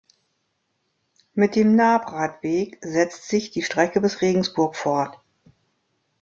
Mit dem Naab-Radweg setzt sich die Strecke bis Regensburg fort.